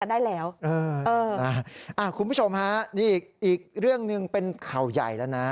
ได้แล้วเออนะคุณผู้ชมฮะนี่อีกอีกเรื่องหนึ่งเป็นข่าวใหญ่แล้วนะ